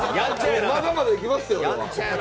まだまだいけますよ、俺は。